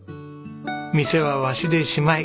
店はわしでしまい。